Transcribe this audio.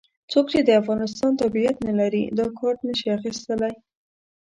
څوک چې د افغانستان تابعیت نه لري دا کارت نه شي اخستلای.